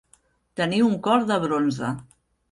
Tenir un cor de bronze.